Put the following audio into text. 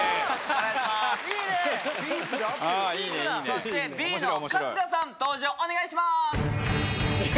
そしてＢの春日さん登場お願いします。